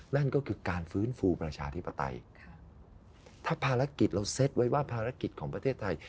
นั่นก็คือการฟื้นฟูประชาธิปไตยถ้าภารกิจเราเซ็ตไว้ว่าภารกิจของประเทศไทย